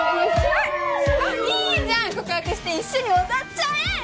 いいじゃん告白して一緒に踊っちゃえ！